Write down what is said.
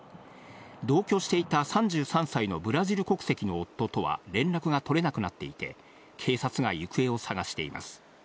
同居していた３３歳のブラジル国籍の夫とは連絡が取れなくなっていて、警察が行方を捜しています。